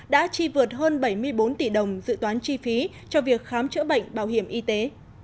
đã chi vượt hơn bảy mươi bốn tỷ đồng dự toán chi phí cho việc khám chữa bệnh bảo hiểm y tế